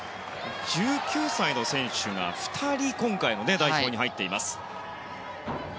１９歳の選手が２人今回は代表に入っています。